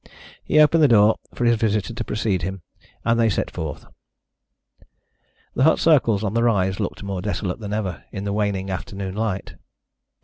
He opened the door for his visitor to precede him, and they set forth. The hut circles on the rise looked more desolate than ever in the waning afternoon light.